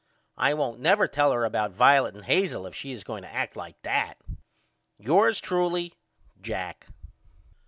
I won't never tell her about Violet and Hazel if she is going to act like that. Yours truly, JACK.